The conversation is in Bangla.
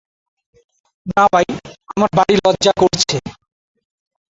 না ভাই, আমার ভারি লজ্জা করছে।